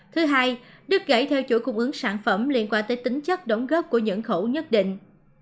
thứ hai đứt gãy theo chuỗi cung ứng sản phẩm liên quan tới tính chất đóng góp của những khẩu nhất định